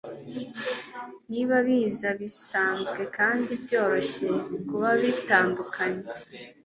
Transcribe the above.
niba biza bisanzwe kandi byoroshye kuba bitandukanye